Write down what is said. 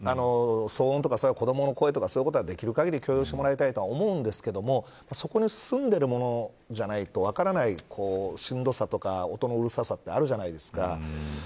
騒音とか子どもの声とかそういうことはできるかぎり許容してもらいたいと思うんですがそこに住んでいるものじゃないと分からないしんどさとか音のうるささとかあるんじゃないですか。